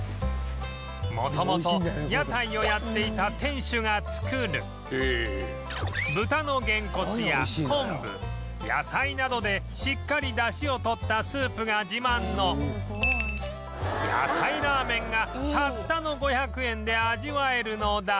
元々屋台をやっていた店主が作る豚のげんこつや昆布野菜などでしっかり出汁を取ったスープが自慢の屋台ラーメンがたったの５００円で味わえるのだが